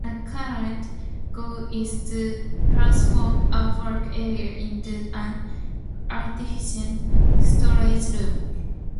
A current goal is to transform a work area into an artifact storage room.